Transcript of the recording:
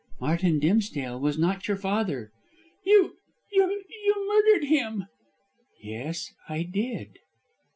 "Martin Dimsdale was not your father." "You you you murdered him." "Yes, I did."